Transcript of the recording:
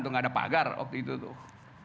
gak ada pagar waktu itu tuh